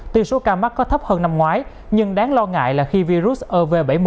tuy số ca mắc có thấp hơn năm ngoái nhưng đáng lo ngại là khi virus ov bảy mươi